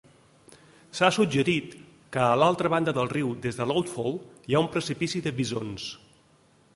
S'ha suggerit que a l'altra banda del riu des de "Outfall" hi ha un precipici de bisons.